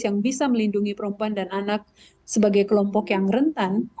yang bisa melindungi perempuan dan anak sebagai kelompok yang rentan